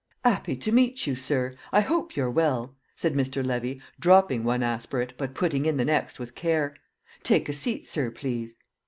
"'Appy to meet you, sir. I hope you're well?" said Mr. Levy, dropping one aspirate but putting in the next with care. "Take a seat, sir, please."